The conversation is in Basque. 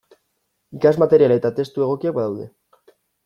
Ikasmaterial eta testu egokiak badaude.